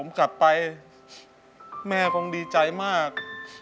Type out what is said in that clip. ผมกลับไปแม่คงดีใจมาก